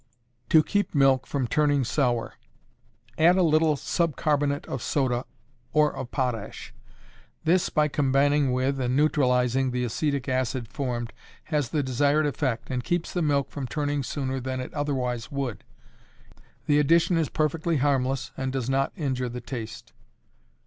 To Keep Milk from Turning Sour. Add a little sub carbonate of soda, or of potash. This by combining with, and neutralizing the acetic acid formed, has the desired effect, and keeps the milk from turning sooner than it otherwise would. The addition is perfectly harmless, and does not injure the taste.